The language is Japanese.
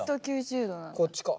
こっちか？